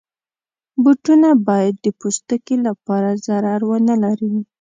بوټونه باید د پوستکي لپاره ضرر ونه لري.